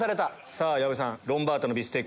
さぁ矢部さん。